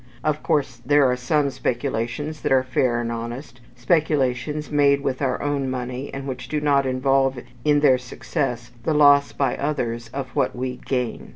Of course there are some speculations that are fair and honest speculations made with our own money, and which do not involve in their success the loss, by others, of what we gain.